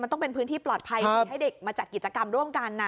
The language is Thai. ต้องเป็นพื้นที่ปลอดภัยดีให้เด็กมาจัดกิจกรรมร่วมกันนะ